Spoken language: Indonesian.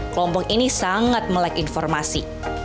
kelompok ini sangat melek informasi